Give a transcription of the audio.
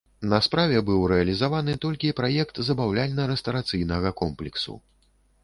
На справе быў рэалізаваны толькі праект забаўляльна-рэстарацыйнага комплексу.